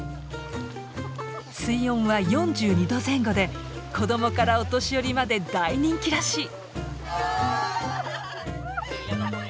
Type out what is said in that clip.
水温は４２度前後で子供からお年寄りまで大人気らしい。